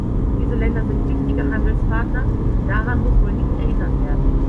Diese Länder sind wichtige Handelspartner, daran muss wohl nicht erinnert werden.